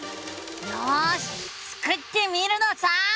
よしスクってみるのさ！